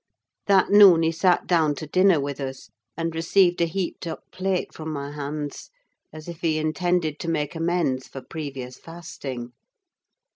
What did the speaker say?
That noon he sat down to dinner with us, and received a heaped up plate from my hands, as if he intended to make amends for previous fasting.